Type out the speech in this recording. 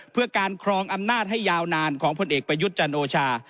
เพื่อการครองอำนาจให้ยาวนานของพลเอกประยุทธ์จันโอชา